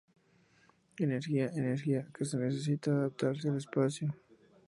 Energía- energía que necesita adaptarse al espacio.